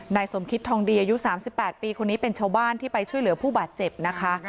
นายสมคิตทองดีอายุ๓๘ปีคนนี้เป็นชาวบ้านที่ไปช่วยเหลือผู้บาดเจ็บนะคะ